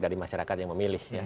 dari masyarakat yang memilih ya